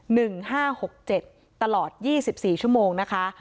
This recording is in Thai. ห้าหกเจ็ดตลอดยี่สิบสี่ชั่วโมงนะคะ